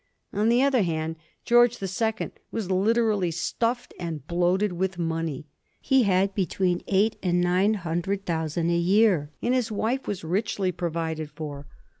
On the other hand, George the Second was literally stuffed and bloated with money. He had between eight and nine hundred thousand a year, and his wife was richly provided for.